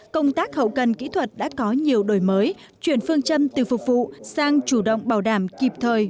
công tác hậu cần kỹ thuật đã có nhiều đổi mới chuyển phương châm từ phục vụ sang chủ động bảo đảm kịp thời